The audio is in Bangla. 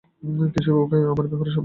ভিছু, ওকে আমার ব্যাপারে সব বল।